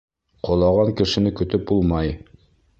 Ҡолаған кешене көтөп булмай.